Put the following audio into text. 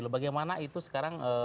bagaimana itu sekarang